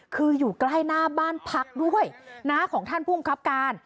คืออยู่ใกล้หน้าบ้านพักด้วยนะของท่านผู้บังคับการ